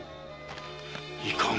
いかん！